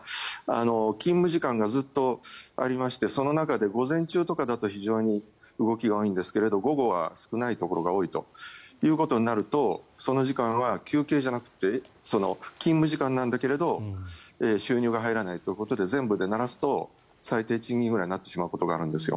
勤務時間がずっとありましてその中で午前中とかだと非常に動きが多いんですが午後は少ないところが多いということになるとその時間は休憩じゃなくて勤務時間だけど収入が入らないということで全部でならすと最低賃金ぐらいになってしまうところがあるんですよ。